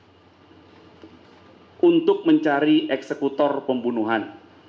dan tersangka az untuk mencari eksekutor pembunuhan